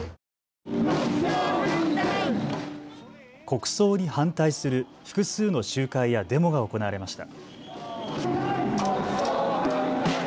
国葬に反対する複数の集会やデモが行われました。